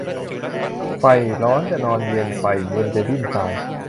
ใฝ่ร้อนจะนอนเย็น ใฝ่เย็นจะดิ้นตาย